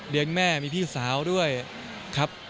เลี้ยงแม่มีพี่สาวด้วยครับ